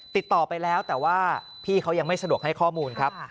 ติดต่อไปแล้วแต่ว่าพี่เขายังไม่สะดวกให้ข้อมูลครับ